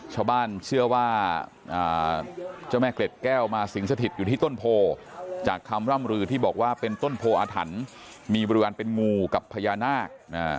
ชาวบ้านเชื่อว่าเจ้าแม่เกล็ดแก้วมาสิงสถิตอยู่ที่ต้นโพจากคำร่ำรือที่บอกว่าเป็นต้นโพออาถรรพ์มีบริเวณเป็นงูกับพญานาค